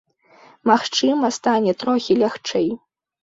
Магчыма, стане трохі лягчэй.